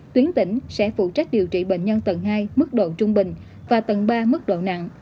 tuyến tỉnh sẽ phụ trách điều trị bệnh nhân tầng hai mức độ trung bình và tầng ba mức độ nặng